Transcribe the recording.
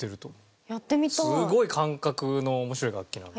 すごい感覚の面白い楽器なのこれ。